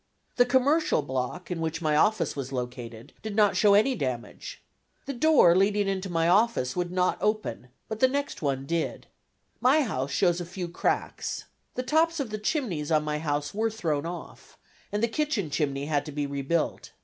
The Commercial Block, in which my office was located, did not show any damage. The door leading into my office would not open, but the next one did. My house shows a few cracks. The tops of the chimneys on my house were thrown off, and the kitchen chimney had to be rebuilt.